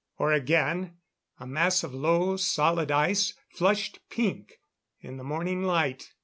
Or again, a mass of low, solid ice, flushed pink in the morning light.